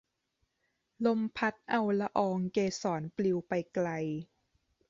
ลมพัดเอาละอองเกสรปลิวไปไกล